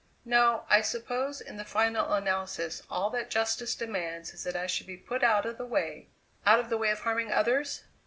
"No. I suppose in the final analysis all that justice demands is that I should be put out of the way out of the way of harming others?